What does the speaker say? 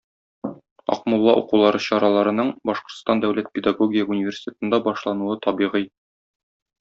Акмулла укулары чараларының Башкортстан дәүләт педагогия университетында башлануы табигый.